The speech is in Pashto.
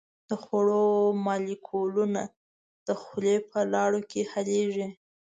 د خوړو مالیکولونه د خولې په لاړو کې حلیږي.